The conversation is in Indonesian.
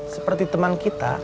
seperti teman kita